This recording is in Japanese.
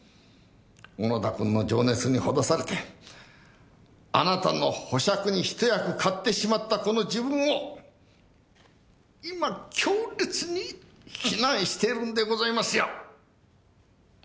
小野田君の情熱にほだされてあなたの保釈に一役買ってしまったこの自分を今強烈に非難しているんでございますよ！